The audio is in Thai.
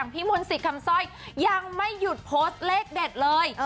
พี่มุนสิทธิคำซ่อยยังไม่หยุดโพสเลขเด็ดเลย